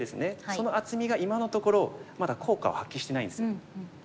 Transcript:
その厚みが今のところまだ効果を発揮してないんです。